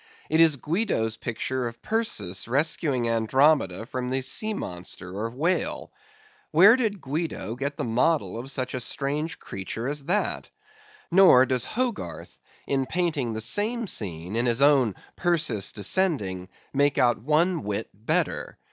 It is Guido's picture of Perseus rescuing Andromeda from the sea monster or whale. Where did Guido get the model of such a strange creature as that? Nor does Hogarth, in painting the same scene in his own "Perseus Descending," make out one whit better.